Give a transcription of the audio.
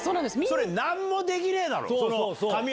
それなんもできねえだろう。